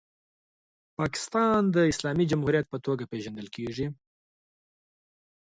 پاکستان د اسلامي جمهوریت په توګه پیژندل کیږي.